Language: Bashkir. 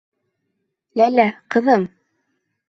Ләлә, ҡыҙым...